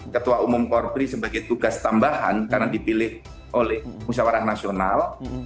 ketua umum korpri sebagai tugas tambahan karena dipilih oleh musyawarah nasional